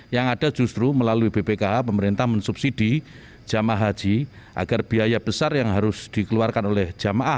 yang ada justru melalui bpkh pemerintah mensubsidi jemaah haji agar biaya besar yang harus dikeluarkan oleh jemaah